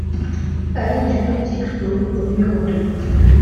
Allée du Petit Clos au numéro deux